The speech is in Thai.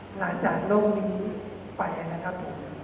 หลังจากโลกนี้ไปนะครับ